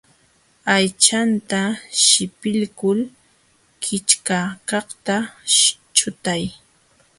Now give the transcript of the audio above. Aychanta sillpiykul kichkakaqta chutay.